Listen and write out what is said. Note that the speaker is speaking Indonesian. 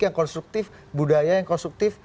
yang konstruktif budaya yang konstruktif